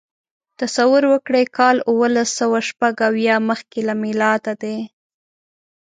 تصور وکړئ کال اوولسسوهشپږاویا مخکې له میلاده دی.